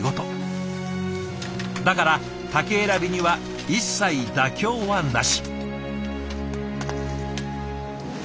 だから竹選びには一切妥協はなし。